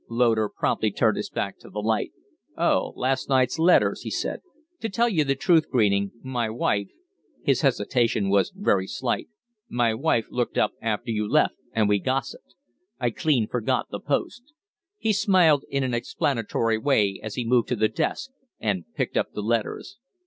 Loder promptly turned his back to the light. "Oh, last night's letters!" he said. "To tell you the truth, Greening, my wife" his hesitation was very slight "my wife looked me up after you left, and we gossiped. I clean forgot the post." He smiled in an explanatory way as he moved to the desk and picked up the letters.